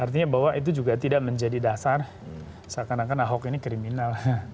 artinya bahwa itu juga tidak menjadi dasar seakan akan ahok ini kriminal